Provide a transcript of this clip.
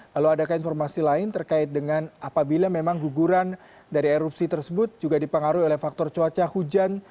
lalu adakah informasi lain terkait dengan apabila memang guguran dari erupsi tersebut juga dipengaruhi oleh faktor cuaca hujan